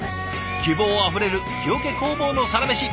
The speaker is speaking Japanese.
希望あふれる木桶工房のサラメシ